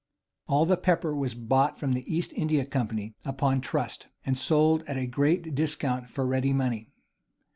All the pepper was bought from the East India Company upon trust, and sold at a great discount for ready money.